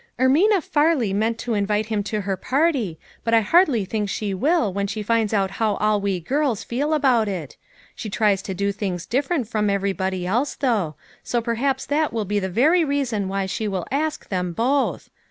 " Ermina Farley meant to invite him to her party, but I hardly think she will, when she finds out how all we girls feel about it. She tries to do things different A SABBATH TO REMEMBER. 155 from everybody else, though ; so perhaps that will be the very reason why she will ask them both.